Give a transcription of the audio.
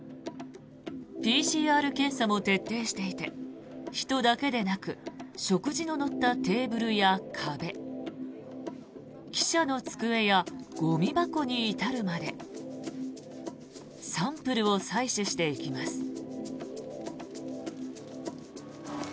ＰＣＲ検査も徹底していて人だけでなく食事の乗ったテーブルや壁記者の机やゴミ箱に至るまでサンプルを採取していきます。